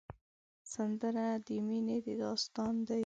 سندره د مینې داستان دی